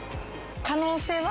可能性は？